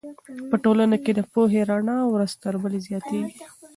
په ټولنه کې د پوهې رڼا ورځ تر بلې زیاتېږي.